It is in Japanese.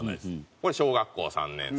これ小学校３年生。